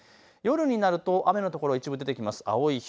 夜になると雨の所が一部出てきます。